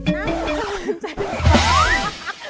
ใจไม่ปลุก